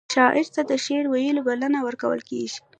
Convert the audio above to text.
شاعر ته د شعر ویلو بلنه ورکول کیږي.